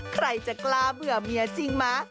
ใครจะกล้าเบื่อเมียจริงมั้ย